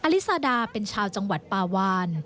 ลิซาดาเป็นชาวจังหวัดปาวาน